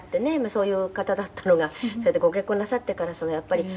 そういう方だったのがそれでご結婚なさってからやっぱり。